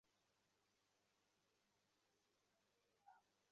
সে বিশেষরূপেই প্রয়োজনীয়তার দর্শন শিখেছে।